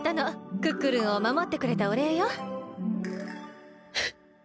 クックルンをまもってくれたおれいよ。うっ。